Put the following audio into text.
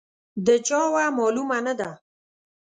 د چا وه، معلومه نه ده.